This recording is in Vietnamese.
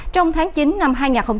trong tháng chín năm hai nghìn hai mươi